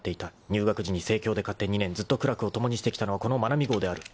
［入学時に生協で買って２年ずっと苦楽を共にしてきたのはこのまなみ号である］